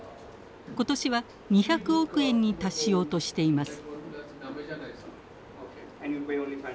今年は２００億円に達しようとしています。